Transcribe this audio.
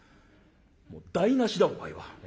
「台なしだお前は。